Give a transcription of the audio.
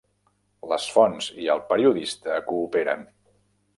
Les fonts i el periodista cooperen.